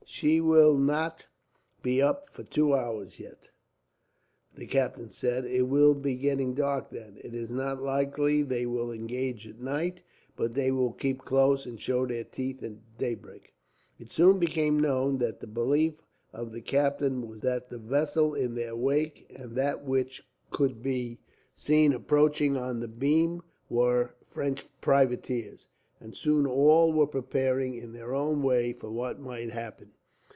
"She will not be up for two hours, yet," the captain said. "It will be getting dark, then. It is not likely they will engage at night, but they will keep close, and show their teeth at daybreak." It soon became known that the belief of the captain was that the vessel in their wake, and that which could be seen approaching on the beam, were French privateers; and soon all were preparing, in their own way, for what might happen.